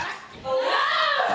うわ！